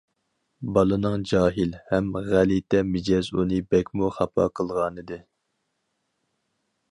بالىنىڭ جاھىل ھەم غەلىتە مىجەزى ئۇنى بەكمۇ خاپا قىلغانىدى.